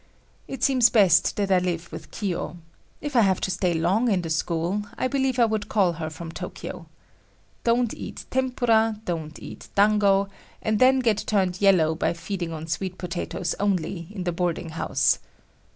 It seems best that I live with Kiyo. If I have to stay long in the school, I believe I would call her from Tokyo. Don't eat tempura, don't eat dango, and then get turned yellow by feeding on sweet potatoes only, in the boarding house.